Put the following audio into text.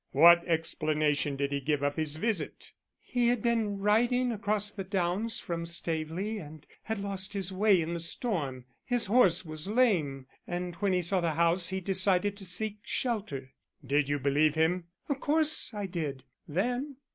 "What explanation did he give of his visit?" "He had been riding across the downs from Staveley and had lost his way in the storm. His horse was lame and when he saw the house he decided to seek shelter." "Did you believe him?" "Of course I did then."